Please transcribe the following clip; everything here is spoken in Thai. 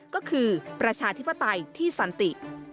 ก็คือประชาธิปไตยที่สันติ